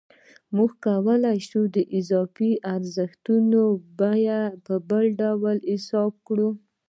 موږ کولای شو د اضافي ارزښت بیه بله ډول حساب کړو